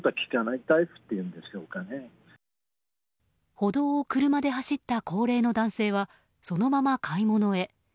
歩道を車で走った高齢の男性はそのまま買い物へ。